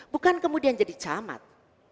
bukan kemudian jadi camat